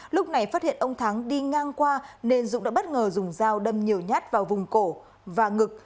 lúc này phát hiện ông thắng đi ngang qua nên dũng đã bất ngờ dùng dao đâm nhiều nhát vào vùng cổ và ngực